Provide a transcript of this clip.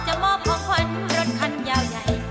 มอบของขวัญรถคันยาวใหญ่